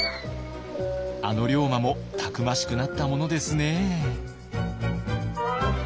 あの龍馬もたくましくなったものですね。